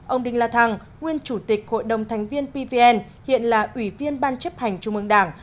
ông đinh la thăng nguyên chủ tịch hội đồng thành viên pvn hiện là ủy viên ban chấp hành trung ương đảng